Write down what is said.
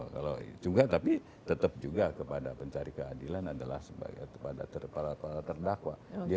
kalau juga tetap juga kepada pencari keadilan adalah sebagai pada terdakwa